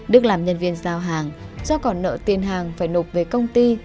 đức làm nhân viên giao hàng do còn nợ tiền hàng phải nộp về công ty